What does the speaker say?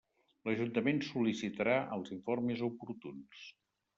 L'ajuntament sol·licitarà els informes oportuns.